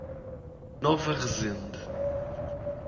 Nova Resende